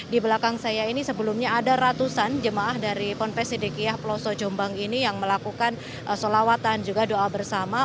di belakang saya ini sebelumnya ada ratusan jemaah dari ponpes sidikiah peloso jombang ini yang melakukan solawatan juga doa bersama